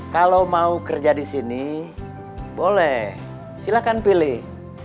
kalau mau kerja di sini boleh silakan pilih